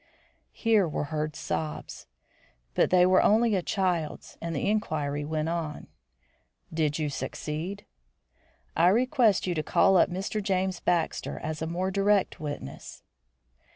Here we heard sobs; but they were only a child's, and the inquiry went on. "Did you succeed?" "I request you to call up Mr. James Baxter as a more direct witness."